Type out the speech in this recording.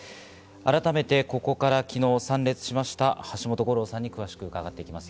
改めて、ここから昨日参列しました、橋本五郎さんに詳しく伺ってまいります。